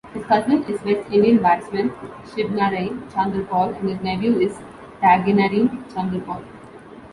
His cousin is West Indian batsman Shivnarine Chanderpaul and his nephew is Tagenarine Chanderpaul.